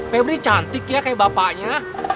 febri cantik ya kayak bapaknya